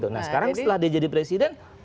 nah sekarang setelah dia jadi presiden